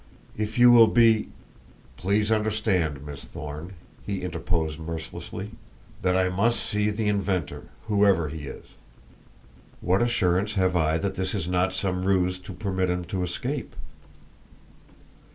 "If you will be ?" "Please understand, Miss Thorne," he interposed mercilessly, "that I must see the inventor, whoever he is. What assurance have I that this is not some ruse to permit him to escape?"